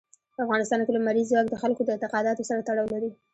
په افغانستان کې لمریز ځواک د خلکو د اعتقاداتو سره تړاو لري.